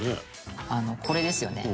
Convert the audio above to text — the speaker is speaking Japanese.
「これですよね」